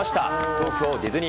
東京ディズニー